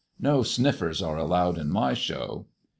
No sniffers are allowed in my show."